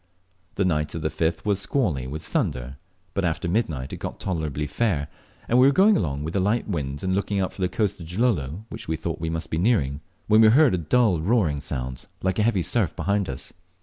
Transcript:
The night of the 5th was squally, with thunder, but after midnight it got tolerably fair, and we were going along with a light wind and looking out for the coast of Gilolo, which we thought we must be nearing, when we heard a dull roaring sound, like a heavy surf, behind us.